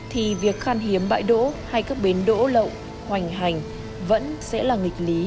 thì việc khan hiếm bãi đỗ hay các bến đỗ lộ hoành hành vẫn sẽ là nghịch lý